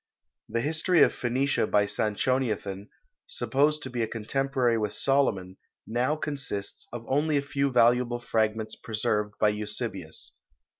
The history of Phoenicia by Sanchoniathon, supposed to be a contemporary with Solomon, now consists of only a few valuable fragments preserved by Eusebius.